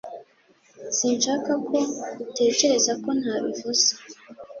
sinshaka ko utekereza ko ntabivuze